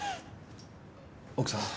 奥さん。